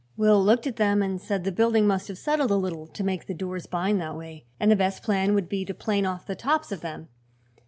Will looked at them and said the building must have settled a little, to make the doors bind that way, and the best plan would be to plane off the tops of them.